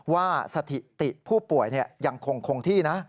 สถิติผู้ป่วยยังคงคงที่นะ